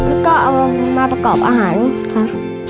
แล้วก็เอามาประกอบอาหารครับ